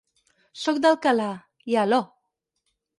Soc d'Alcalà, i «aló»!